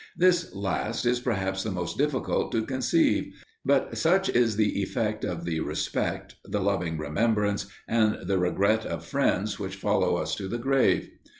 This last is perhaps the most difficult to conceive. But such is the effect of the respect, the loving remembrance, and the regret of friends which follow us to the grave.